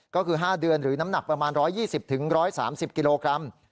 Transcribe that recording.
ก็คือ๕เดือนหรือน้ำหนักประมาณ๑๒๐๑๓๐กิโลกรัม